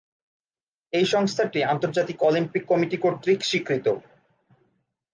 এই সংস্থাটি আন্তর্জাতিক অলিম্পিক কমিটি কর্তৃক স্বীকৃত।